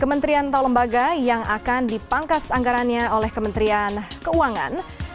kementerian atau lembaga yang akan dipangkas anggarannya oleh kementerian keuangan